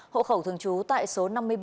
hộ khẩu thường trú tại số năm mươi ba